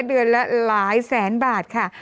เดือนละหลายแสนบาทค่ะ